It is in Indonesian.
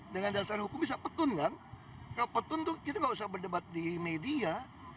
dengan dasar hukum bisa petun kan kalau petun tuh kita nggak usah berdebat di media